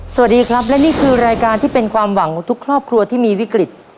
สวัสดีครับและนี่คือรายการที่เป็นความหวังของทุกครอบครัวที่มีวิกฤต